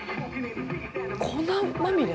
粉まみれ？